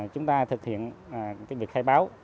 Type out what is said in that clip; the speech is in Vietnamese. chúng ta thực hiện việc khai báo